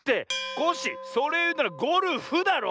コッシーそれをいうならゴルフだろ。